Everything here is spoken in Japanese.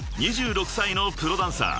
２６歳のプロダンサー］